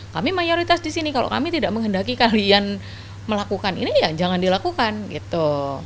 kami mayoritas di sini kalau kami tidak menghendaki kalian melakukan ini ya jangan dilakukan gitu